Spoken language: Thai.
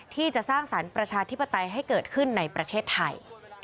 ที่จะสร้างสรรค์ประชาธิปไตยให้เกิดขึ้นในประเทศไทย